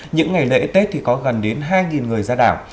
những ngày lễ tết thì có gần đến hai người ra đảo